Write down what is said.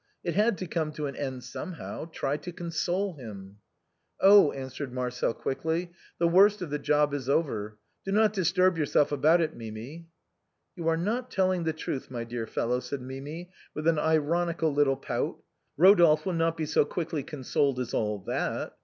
It had to come to an end somehow. Try to console him." " Oh !" answered Marcel quickly, " the worst of the job is over. Do not disturb yourself about it, Mimi." "You are not telling the truth, my dear fellow," said Mimi, with an ironical little pout. " Rodolphe will not be so quickly consoled as all that.